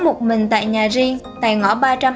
một mình tại nhà riêng tại ngõ